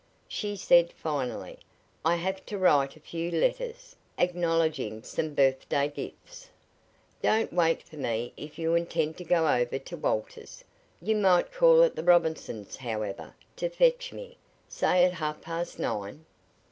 She said finally: "I have to write a few letters acknowledging some birthday gifts. Don't wait for me if you intend to go over to Walter's. You might call at the Robinsons', however, to fetch me; say at half past nine."